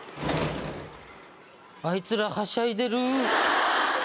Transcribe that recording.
あいつらはしゃいでる！